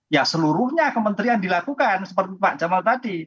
ya seluruhnya kementerian dilakukan seperti pak jamal tadi